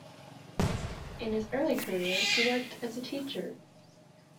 In his early career, he worked as a teacher.